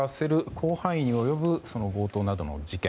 広範囲に及ぶ強盗などの事件。